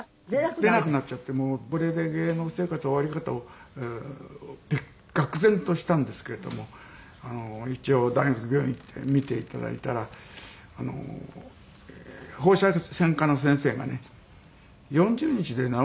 出なくなっちゃってもうこれで芸能生活終わりかとがく然としたんですけれども一応大学病院行って診て頂いたら放射線科の先生がね「４０日で治るんじゃないか」